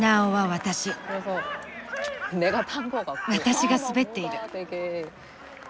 私が滑っている。